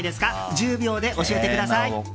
１０秒で教えください。